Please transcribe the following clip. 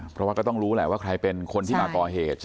เพราะว่าก็ต้องรู้แหละว่าใครเป็นคนที่มาก่อเหตุ